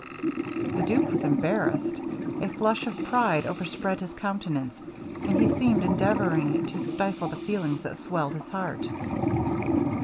The duke was embarrassed a flush of pride overspread his countenance, and he seemed endeavouring to stifle the feelings that swelled his heart.